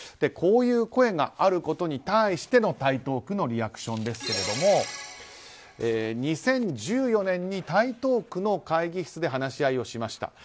こういう声があることに対しての台東区のリアクションですけれども２０１４年に台東区の会議室で話し合いをしました。